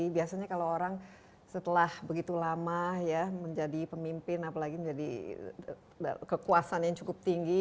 biasanya kalau orang setelah begitu lama ya menjadi pemimpin apalagi menjadi kekuasaan yang cukup tinggi